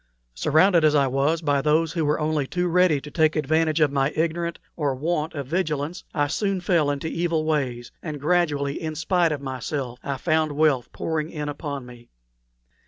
Surrounded as I was by those who were only too ready to take advantage of my ignorance or want of vigilance, I soon fell into evil ways, and gradually, in spite of myself, I found wealth pouring in upon me.